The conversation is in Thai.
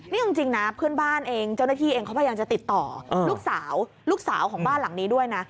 นี่จริงนะเพื่อนบ้านเองเจ้าหน้าที่เองเขาพยายามจะติดต่อลูกสาวลูกสาวของบ้านหลังนี้ด้วยนะ